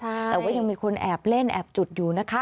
แต่ว่ายังมีคนแอบเล่นแอบจุดอยู่นะคะ